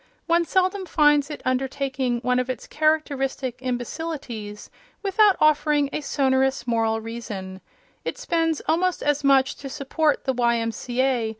One seldom finds it undertaking one of its characteristic imbecilities without offering a sonorous moral reason; it spends almost as much to support the Y. M. C. A.